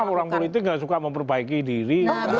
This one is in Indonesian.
orang politik tidak suka memperbaiki diri